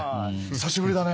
久しぶりだね。